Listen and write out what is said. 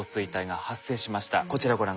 こちらご覧下さい。